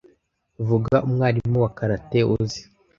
Vuga umwarimu wa Karate uzi